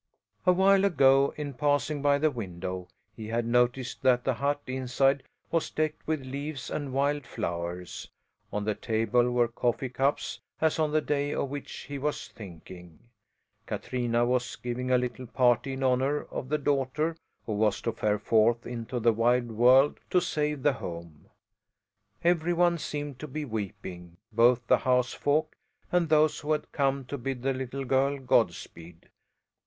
A while ago, in passing by the window, he had noticed that the hut inside was decked with leaves and wild flowers. On the table were coffee cups, as on the day of which he was thinking. Katrina was giving a little party in honour of the daughter who was to fare forth into the wide world to save the home. Every one seemed to be weeping, both the housefolk and those who had come to bid the little girl Godspeed.